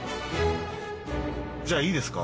じゃいいですか？